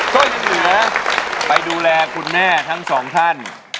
ก็ยังเหลือไปดูแลคุณแม่ทั้งสองท่าน